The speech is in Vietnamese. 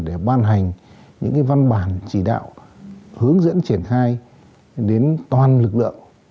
để ban hành những văn bản chỉ đạo hướng dẫn triển khai đến toàn lực lượng